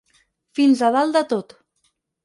Fins a dalt de tot.